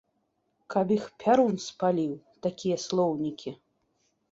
Каб іх пярун спаліў, такія слоўнікі!